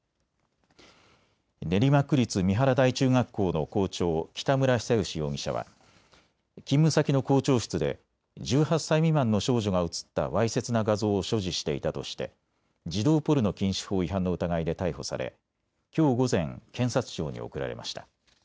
練馬区立三原台中学校の校長、北村比左嘉容疑者は勤務先の校長室で１８歳未満の少女が写ったわいせつな画像を所持していたとして児童ポルノ禁止法違反の疑いで逮捕され、きょう午前、検察庁に送られました。